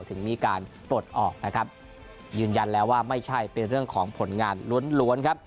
ถึงมีการปลดออกนะครับยืนยันแล้วว่าไม่ใช่เป็นเรื่องของผลงานล้วนล้วนครับ